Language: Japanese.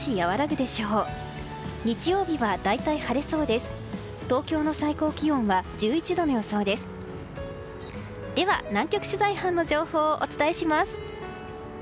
では南極取材班の情報をお伝えします。